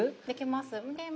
できます。